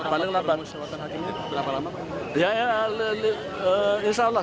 kalau rapat pemusyawaratan hakim ini berapa lama